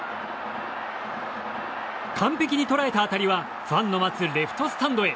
完璧に捉えた当たりはファンの待つレフトスタンドへ。